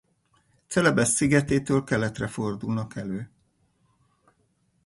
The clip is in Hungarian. Celebesz szigetétől keletre fordulnak elő.